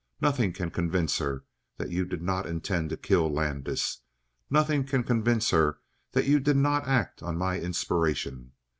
Nothing can convince her that you did not intend to kill Landis; nothing can convince her that you did not act on my inspiration.